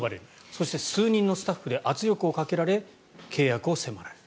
そして数人のスタッフで圧力をかけられ契約を迫られる。